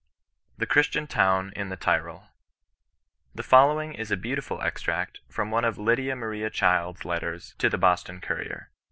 THE CHRISTIAN TOWN IN THE TYROL. The following is a beautiful extract from one of Lydia Maria CJhild's Letters to the Boston Courier.